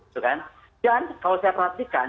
dan kalau saya perhatikan